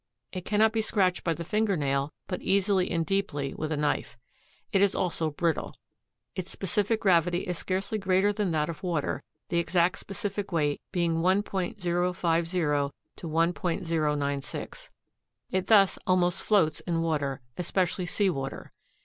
It cannot be scratched by the finger nail but easily and deeply with a knife. It is also brittle. Its specific gravity is scarcely greater than that of water, the exact specific weight being 1.050 1.096. It thus almost floats in water, especially sea water.